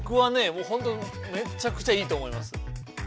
もうほんとめちゃくちゃいいと思います。